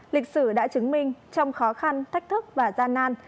lịch sử đã chứng minh trong khó khăn thách thức và gian nan